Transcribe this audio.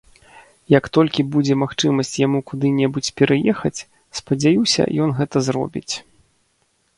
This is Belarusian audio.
Як толькі будзе магчымасць яму куды-небудзь пераехаць, спадзяюся, ён гэта зробіць.